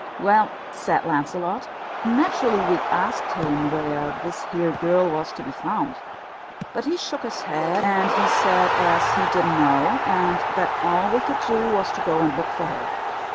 "Well," said Lancelot, "naturally we asked him where this here girl was to be found. But he shook his head, and he said as he didn't know, and that all we could do was to go and look for her.